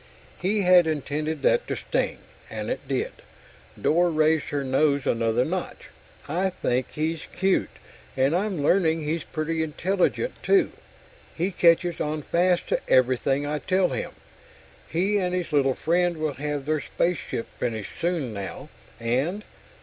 He had intended that to sting, and it did. Dor raised her nose another notch. "I think he's cute, and I'm learning he's pretty intelligent, too. He catches on fast to everything I tell him. He and his little friend will have their spaceship finished soon now, and...."